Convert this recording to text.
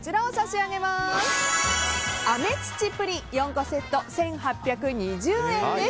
あめつちぷりん４個セット１８２０円です。